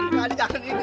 jangan jangan ini